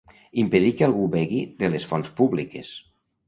Impedir que algú begui de les fonts públiques.